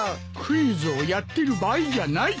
クイズをやってる場合じゃない！